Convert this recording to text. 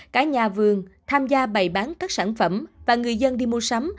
cả nhà vườn tham gia bày bán các sản phẩm và người dân đi mua sắm